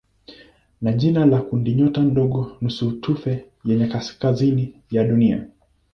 ni jina la kundinyota ndogo ya nusutufe ya kaskazini ya Dunia.